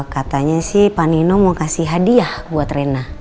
katanya sih panino mau kasih hadiah buat rena